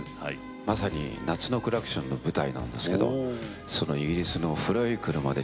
まさに「夏のクラクション」の舞台なんですけどイギリスの古い車でちょっと走ってきました。